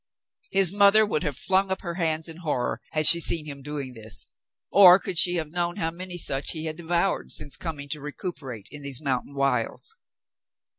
His mother would have flung up her hands in horror had she seen him doing this, or could she have known how many such he had devoured since coming to recuperate in these mountain wilds.